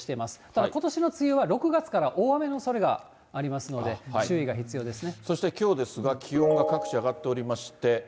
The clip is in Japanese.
ただ、ことしの梅雨は６月から大雨のおそれがありますので、注意そしてきょうですが、気温が各地上がっておりまして。